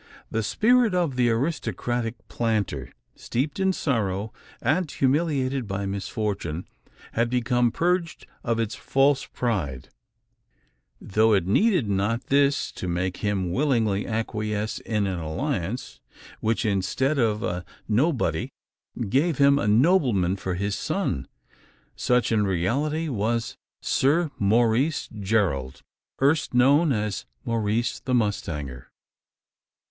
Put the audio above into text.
The spirit of the aristocratic planter steeped in sorrow, and humiliated by misfortune had become purged of its false pride; though it needed not this to make him willingly acquiesce in an alliance, which, instead of a "nobody," gave him a nobleman for his son. Such, in reality, was Sir Maurice Gerald erst known as Maurice the mustanger!